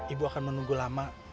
ibu akan menunggu lama